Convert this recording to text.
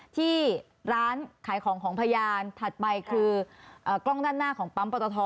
ที่ร้านขายของของพยานถัดไปคือกล้องด้านหน้าของปั๊มปตท